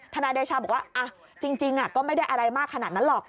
นายเดชาบอกว่าจริงก็ไม่ได้อะไรมากขนาดนั้นหรอก